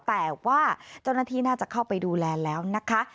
แต่ว่าเจ้าหน้าที่น่าจะเข้าไปดูแลแล้วนะคะ